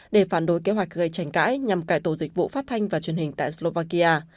để phản đối kế hoạch gây tranh cãi nhằm cải tổ dịch vụ phát thanh và truyền hình tại slovakia